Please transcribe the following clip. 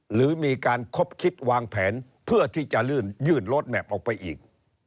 หรือมีการคบคิดวางแผนเพื่อที่จะลื่นยื่นลดแมพออกไปอีก